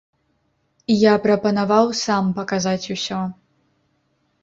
Я прапанаваў сам паказаць усё.